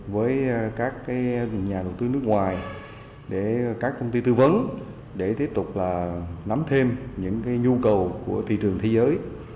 với các nhà đầu tư nước ngoài để các công ty tư vấn để tiếp tục nắm thêm những nhu cầu của thị trường thế giới